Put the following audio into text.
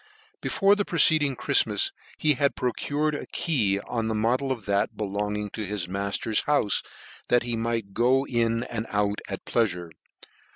Before the preceding Chriftmas he had pro cured a key on the model of that belonging to his matter's houfe, that he might go in and out at his pleafure.